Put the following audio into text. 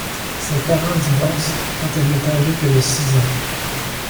Ses parents divorcent quand elle n'est âgée que de six ans.